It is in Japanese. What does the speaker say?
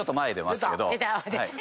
出た！